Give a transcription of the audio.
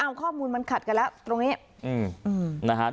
อ้าวข้อมูลมันขัดกันแล้วตรงนี้